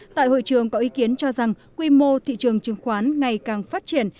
tại hội trường có ý kiến cho rằng quy mô thị trường chứng khoán ngày càng phát triển